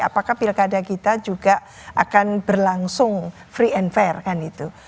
apakah pilkada kita juga akan berlangsung free and fair kan itu